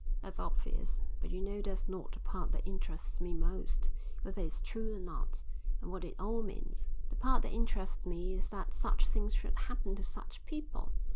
"That's obvious; but you know that's not the part that interests me most, whether it's true or not, and what it all means; the part that interests me is that such things should happen to such people.